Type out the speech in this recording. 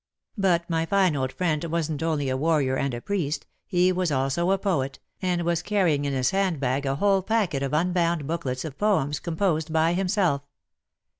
But my fine old friend wasn't only a warrior and a priest, he was also a poet, and was carrying in his handbag a whole packet of unbound booklets of poems composed by himself.